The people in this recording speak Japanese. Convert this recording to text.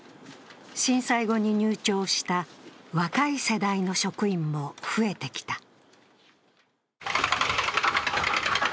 震災後に入庁した若い世代の職員も増えてきた。